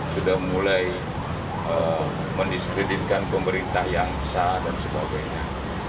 sudah mulai mendiskreditkan pemerintah yang sah dan sebagainya